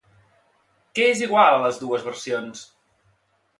Què és igual a les dues versions?